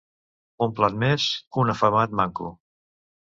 Un plat més, un afamat manco.